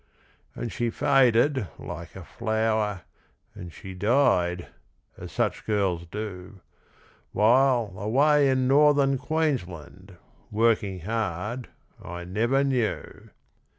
And she faded like a flower, And she died, as such girls do, While, away in Northern Queensland, Working hard, I never knew.